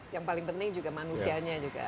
yang paling penting juga manusianya juga